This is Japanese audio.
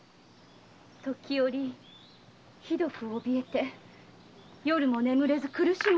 時折ひどく怯えて夜も眠れず苦しむのです。